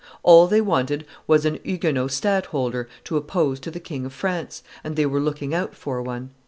All they wanted was a Huguenot stadtholder to oppose to the King of France, and they were looking out for one."